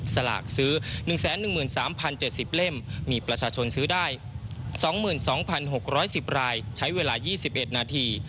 สลากซื้อ๑๑๓๐๗๐เล่มมีประชาชนซื้อได้๒๒๖๑๐รายใช้เวลา๒๑นาที